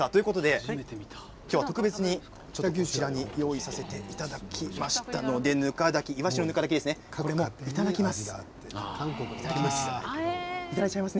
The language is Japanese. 今日は特別にこちらに用意させていただきましたのでいわしのぬか炊き、いただきます。